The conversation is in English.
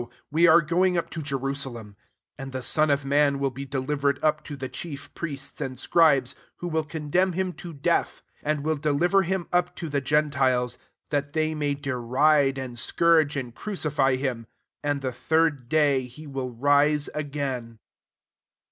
we are going up to Je rusalem : and the Son of man will be delivered up to the chief priests and Scribes, 19 who will condemn him to death, and will deliver him up to the gen tiles, that they may deride and 8(»Hirge and crucify him: and the third day he will rise again."